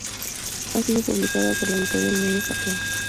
Ha sido publicada por la editorial Media Factory.